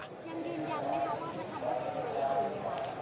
ยังยืนยันไหมครับว่าพระคัมจะใช้ความเข้าใจดีกว่า